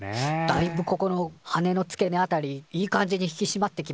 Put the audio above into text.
「だいぶここの羽の付け根辺りいい感じに引きしまってきましたよ」とかね。